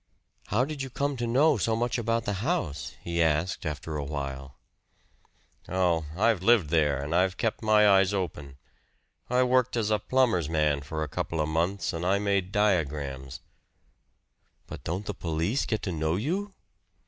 "How did you come to know so much about the house?" he asked after a while. "Oh! I've lived here and I've kept my eyes open. I worked as a plumber's man for a couple of months and I made diagrams." "But don't the police get to know you?"